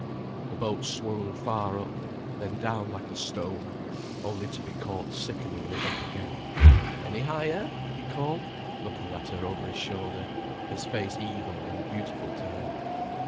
The boat swung far up, then down like a stone, only to be caught sickeningly up again. "Any higher?" he called, looking at her over his shoulder, his face evil and beautiful to her.